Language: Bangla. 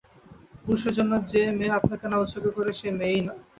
পুরুষের জন্য যে মেয়ে আপনাকে না উৎসর্গ করে সে মেয়েই নয়।